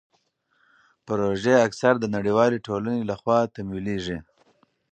پروژې اکثر د نړیوالې ټولنې لخوا تمویلیږي.